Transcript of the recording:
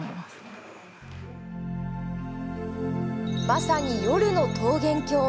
まさに夜の桃源郷。